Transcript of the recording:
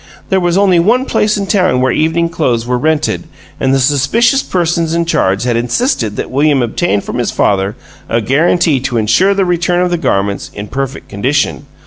There was only one place in town where evening clothes were rented, and the suspicious persons in charge had insisted that William obtain from his father a guarantee to insure the return of the garments in perfect condition.